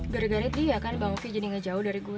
gara gara itu iya kan bang ovi jadi gak jauh dari gue